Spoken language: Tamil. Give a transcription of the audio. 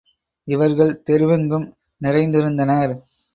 இவர்கள் தெருவெங்கும் நிறைந்திருந்தனர்.